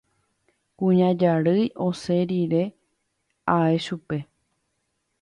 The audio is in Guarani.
Kuña Jarýi osẽ rire ae chupe.